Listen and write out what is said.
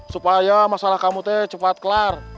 supaya masalah kamu teh cepat kelar